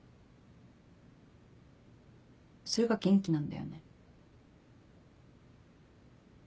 それが元気なんだよね。